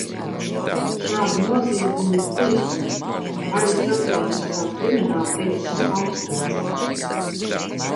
Šādi noziegumi ir tiesu, arī Starptautiskās Krimināltiesas, kompetencē.